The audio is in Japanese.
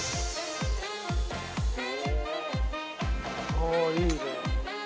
ああいいね。